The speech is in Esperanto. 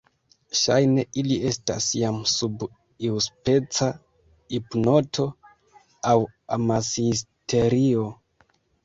Ŝajne ili estas jam sub iuspeca hipnoto aŭ amashisterio.